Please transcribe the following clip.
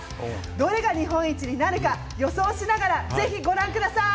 どれが日本一になるか予想しながら、ぜひご覧ください。